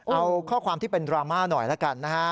เอาข้อความที่เป็นดราม่าหน่อยละกันนะฮะ